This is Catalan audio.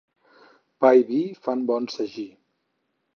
Pa i vi fan bon sagí.